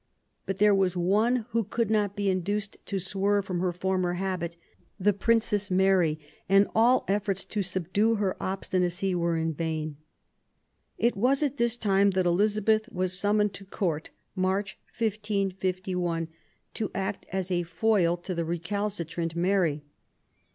But there was one who could not be induced to swerve from her former habit, the Princess Mary ; and all efforts to subdue her obstinacy were in vain. It was at this time that Elizabeth was summoned to Court (March, 1551) to act as a foil to the recalcitrant THE YOUTH OF ELIZABETH. 19 Mary.